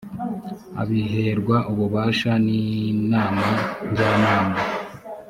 abiherwa ububasha ninama njyanama